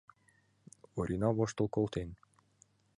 Орина воштыл колтен.